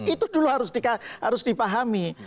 itu dulu harus dipahami